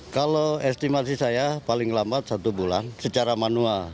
kalau estimasi saya paling lambat satu bulan secara manual